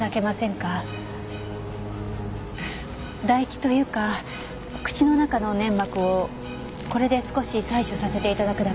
唾液というか口の中の粘膜をこれで少し採取させて頂くだけです。